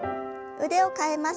腕を替えます。